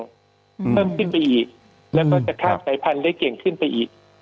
เพิ่มขึ้นไปอีกแล้วก็จะข้ามสายพันธุ์ได้เก่งขึ้นไปอีก